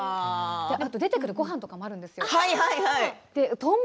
あと、出てくるごはんもあるんです。